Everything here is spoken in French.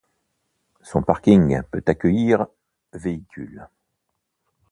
Son parking peut accueillir véhicules.